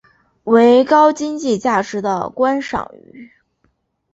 为高经济价值的观赏鱼。